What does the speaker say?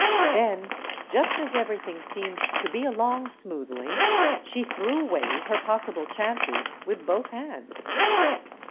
Then, just as everything seemed to be along smoothly, she threw away her possible chances with both hands.